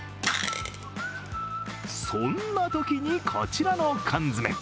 そんなときに、こちらの缶詰。